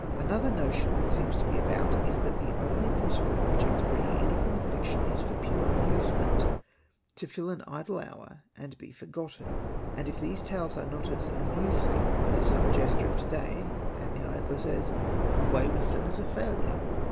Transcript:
X Another notion that seems to be about is that the only possible object of reading any form of fiction is for pure amusement, to fill an idle hour and be forgotten : and if these tales are not as amusing as some jester of to day, then the idler says, Away with them as a failure